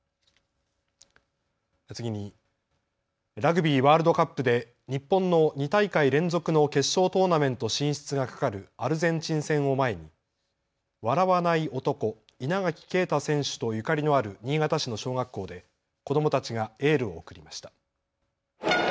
次に、ラグビーワールドカップで日本の２大会連続の決勝トーナメント進出がかかるアルゼンチン戦を前に笑わない男、稲垣啓太選手とゆかりのある新潟市の小学校で子どもたちがエールを送りました。